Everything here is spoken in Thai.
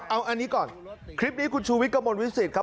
เอาอันนี้ก่อนคลิปนี้คุณชูวิทย์กระมวลวิสิตครับ